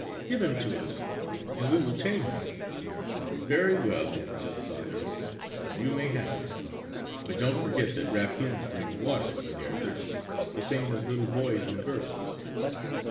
"Give him to us, and we will tame him!" "Very well," said the father. "You may have him. But don't forget that raccoons drink water when they are thirsty, the same as little boys and girls."